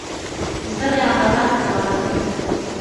زه د عدالت پلوی یم.